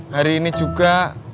hari ini juga